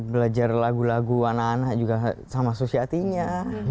belajar lagu lagu anak anak juga sama susiatinya